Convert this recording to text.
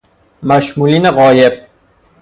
مشمولین غایب